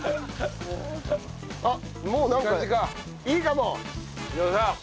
あっもうなんかいいかも！